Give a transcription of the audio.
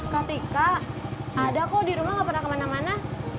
ketika ada kok di rumah gak pernah kemana mana